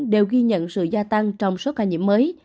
đều ghi nhận sự gia tăng trong số ca nhiễm mới